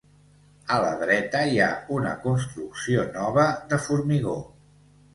A la dreta hi ha una construcció nova de formigó.